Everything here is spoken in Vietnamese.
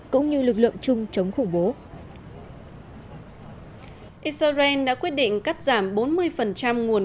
cũng như lực lượng chung chống khủng bố israel đã quyết định cắt giảm bốn mươi nguồn